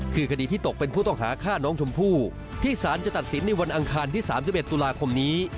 คือคดีที่ตกเป็นผู้ต้องหาฆ่าน้องชมพู่ที่สารจะตัดสินในวันอังคารที่๓๑ตุลาคมนี้